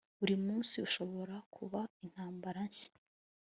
buri munsi ushobora kuba intambara nshya